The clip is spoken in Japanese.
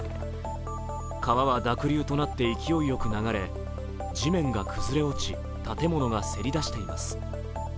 川は濁流となって勢いよく流れ地面が崩れ落ち、建物がせりだしています。